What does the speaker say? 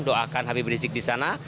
doakan habis berisik di sana